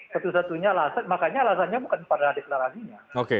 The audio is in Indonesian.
satu satunya alasan makanya alasannya bukan pada deklarasinya